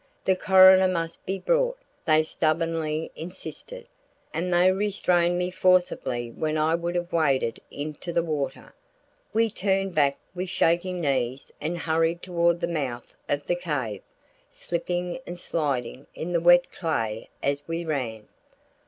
The coroner must be brought, they stubbornly insisted, and they restrained me forcibly when I would have waded into the water. We turned back with shaking knees and hurried toward the mouth of the cave, slipping and sliding in the wet clay as we ran.